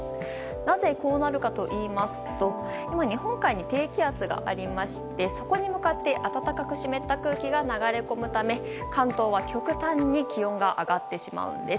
なぜ、こうなるかといいますと日本海に低気圧がありましてそこに向かって暖かく湿った空気が流れ込むため関東は極端に気温が上がってしまうんです。